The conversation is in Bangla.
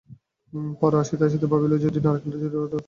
পথে আসিতে আসিতে ভাবিল-যদি নারকেলটা ওদের ফেরত দিই।